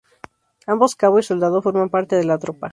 Ambos, cabo y soldado, forman parte de la tropa.